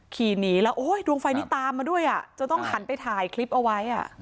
ขี่หนีแล้วโอ้ยดวงไฟนี้ตามมาด้วยอ่ะจนต้องหันไปถ่ายคลิปเอาไว้